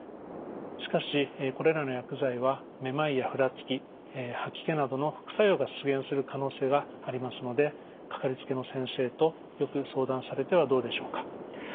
しかしこれらの薬剤はめまいやふらつき吐き気などの副作用が出現する可能性がありますのでかかりつけの先生とよく相談されてはどうでしょうか。